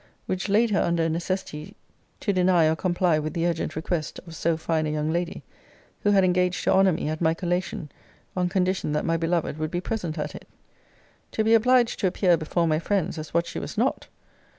Which laid her under a necessity to deny or comply with the urgent request of so fine a young lady; who had engaged to honour me at my collation, on condition that my beloved would be present at it. To be obliged to appear before my friends as what she was not!